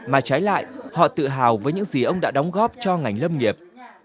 mà trái lại họ tự hào với những gì ông đã đóng góp cho ngành lâm nghiệp